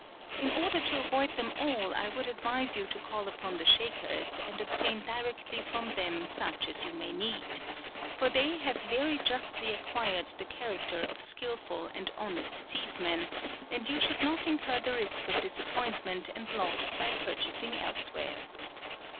In order to avoid them all, 1 would advise you to call upon the Shakers, and obtain directly from them such as you may need ; for they have very justly acquired the character of skilful and honest seedsmen, and you should not in cur the risk of disappointment and loss by purchasing elsewhere.